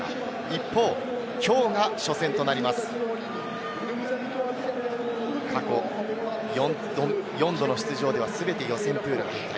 一方、きょうが初戦となります、過去４度の出場では全て予選プール敗退。